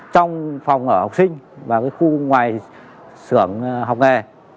trong phòng ở học sinh và khu ngoài xưởng học nghề